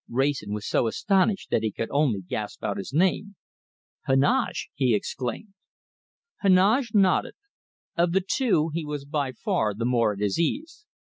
Wrayson was so astonished that he could only gasp out his name. "Heneage!" he exclaimed. Heneage nodded. Of the two, he was by far the more at his ease.